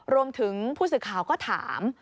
รวมถึงผู้สื่อข่าวก็ถาม